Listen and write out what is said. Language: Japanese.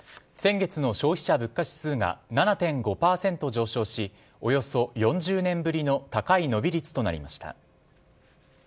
先月の消費者物価指数が７．５％上昇しおよそ４０年ぶりの高い伸び率となりました。